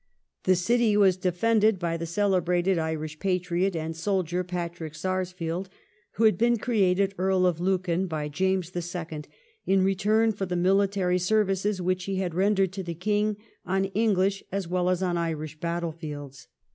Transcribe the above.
The city was defended by the celebrated Irish patriot and soldier Patrick Sarsfield, who had been created Earl of Lucan by James the Second in return for the mUitary services which he had rendered to the King on English as well as on Irish battle fields.